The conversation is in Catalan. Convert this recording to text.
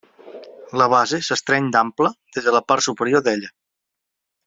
La base s'estreny d'ample des de la part superior d'ella.